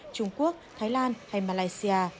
trung quốc thái lan hay malaysia